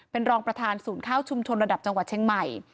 เป็นรองประธานศูนย์ข้าวชุมชนระดับจังหวัดเชียงใหม่